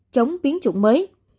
chống biến chủng mới